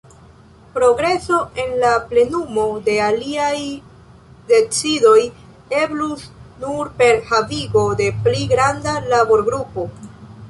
Progreso en plenumo de aliaj decidoj eblus nur per havigo de pli granda laborgrupo.